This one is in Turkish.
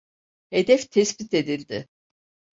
Hedef tespit edildi.